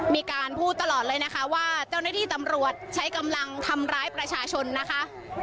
มีการพูดตลอดเลยนะคะว่าเจ้าหน้าที่ตำรวจใช้กำลังทำร้ายประชาชนนะคะ